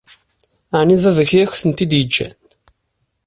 Ɛni d baba-k i ak-ten-id-yeǧǧan?